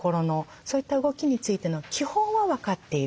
そういった動きについての基本は分かっている。